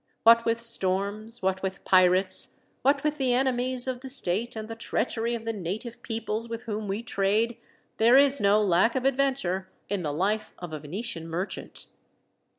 What with storms, what with pirates, what with the enemies of the state and the treachery of the native peoples with whom we trade, there is no lack of adventure in the life of a Venetian merchant."